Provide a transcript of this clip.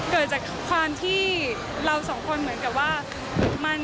เกิดจากความที่เราสองคนเหมือนกับว่า